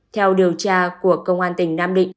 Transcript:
theo điều tra của công an tỉnh nam định